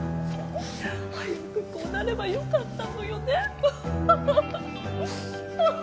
早くこうなればよかったのよね。